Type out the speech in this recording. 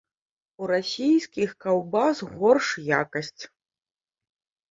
У расійскіх каўбас горш якасць.